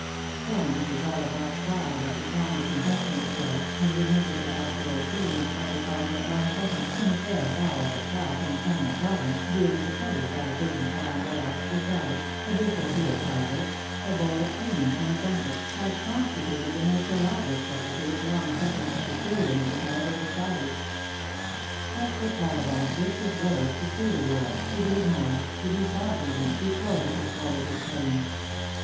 Poor Mrs. Ollivant sighed as she conned the confectioner's bill, and remem bered the pastoral tea and supper parties at Long Sutton, when a pair of fowls at top, and a tongue at bottom, duly supported by a pigeon pie and a lobster salad, a dish or two of tartlets, a bowl of cream and a junket, had constituted the most elaborate supper to which Long Sutton epicureanism had ever aspired. Cnthbert Ollivant wished his ward to see the world, to be admired, to be sought even, before he put forward his claim.